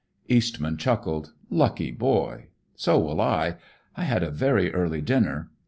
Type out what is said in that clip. Eastman chuckled. "Lucky boy! So will I. I had a very early dinner.